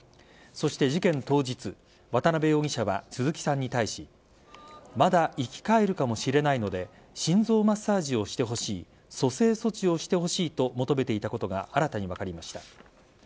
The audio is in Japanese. そして、事件当日渡辺容疑者は鈴木さんに対しまだ生き返るかもしれないので心臓マッサージをしてほしい蘇生措置をしてほしいと求めていたことが新たに分かりました。